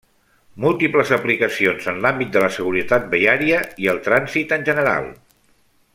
Múltiples aplicacions en l'àmbit de la seguretat viària i el trànsit en general.